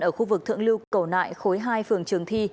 ở khu vực thượng lưu cầu nại khối hai phường trường thi